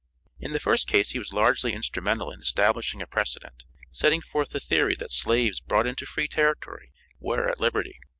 In the first case he was largely instrumental in establishing a precedent, setting forth the theory that slaves brought into free territory, were at liberty.